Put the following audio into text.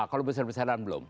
kalau besar besaran belum